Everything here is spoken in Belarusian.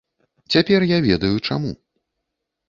Цяпер я ведаю, чаму.